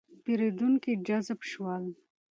پېرېدونکي جذب شول.